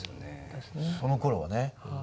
そのころはね。